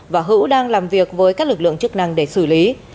và hữu đang làm việc với các lực lượng chức năng để xử lý